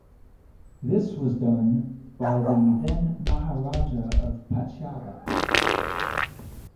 This was done by the then Maharaja of Patiala.